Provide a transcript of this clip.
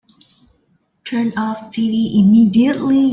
Turn off the tv immediately!